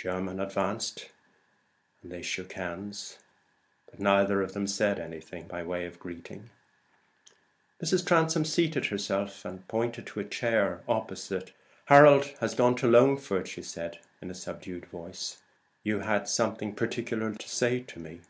Jermyn advanced, and they shook hands, but neither of them said anything by way of greeting. Mrs. Transome seated herself, and pointed to a chair opposite and near her. "Harold has gone to Loamford," she said, in a subdued tone. "You had something particular to say to me?"